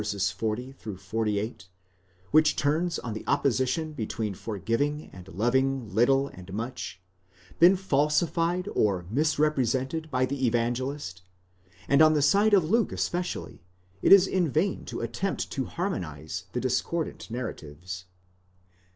40 48, which turns on the opposition between for giving and loving little and much, been falsified or misrepresented by the Evangelist: and on the side of Luke especially, it is in vain to attempt to harmonize the discordant narratives.